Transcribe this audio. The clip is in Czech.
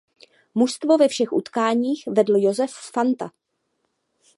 Mužstvo ve všech utkáních vedl Josef Fanta.